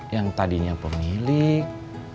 yang tadinya pemilik